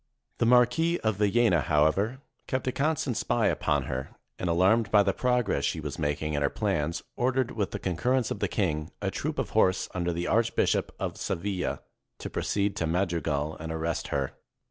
The Marquis of Villena, however, kept a constant spy upon her, and, alarmed by the prog ress she was making in her plans, ordered, with the con currence of the king, a troop of horse under the Arch bishop of Seville, to proceed to Madrigal and arrest her.